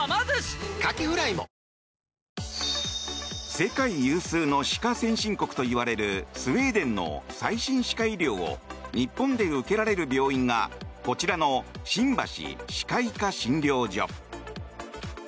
世界有数の歯科先進国といわれるスウェーデンの最新歯科医療を日本で受けられる病院がこちらの新橋歯科医科診療所。